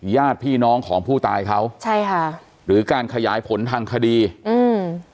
ญาติพี่น้องของผู้ตายเขาใช่ค่ะหรือการขยายผลทางคดีอืม